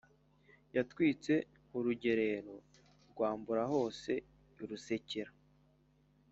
Yatwitse urugerero rwa Mburahose i Rusekera